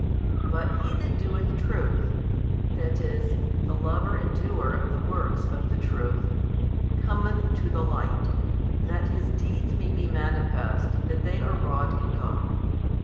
But he that doeth truth (that is, the lover and doer of the works of the Truth) cometh to the light, that his deeds may be made manifest that they are wrought in God.